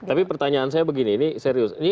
tapi pertanyaan saya begini ini serius